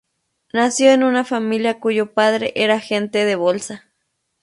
Nació en una familia cuyo padre era agente de bolsa.